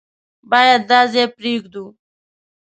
بايد دا ځای پرېږدو.